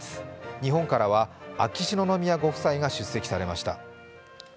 日本からは秋篠宮ご夫妻が出席されました。